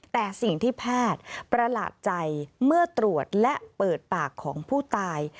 แต่สิ่งที่แพทย์ประหลาดใจเมื่อตรวจและเปิดปากของผู้ตาย